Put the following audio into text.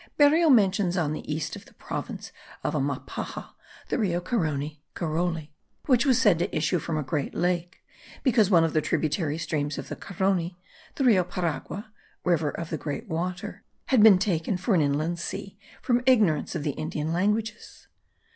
Berrio mentions on the east of the province of Amapaja the Rio Carony (Caroly), which was said to issue from a great lake, because one of the tributary streams of the Carony, the Rio Paragua (river of the great water), had been taken for an inland sea, from ignorance of the Indian languages.